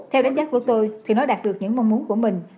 theo đánh giá của tôi thì nó đạt được những mong muốn của mình